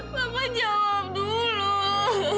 papa jawab dulu